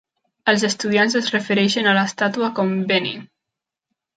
Els estudiants es refereixen a l'estàtua com "Benny".